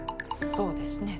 そうですね。